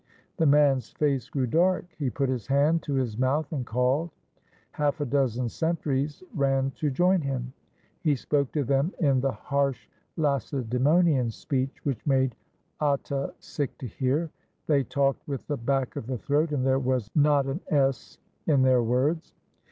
The man's face grew dark. He put his hand to his mouth and called. Half a dozen sentries ran to join him. He spoke to them in the harsh Lacedaemonian speech which made Atta sick to hear. They talked with the back of the throat, and there was not an "s" in their words.